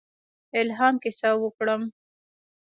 الهام کیسه وکړم.